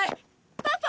パパ？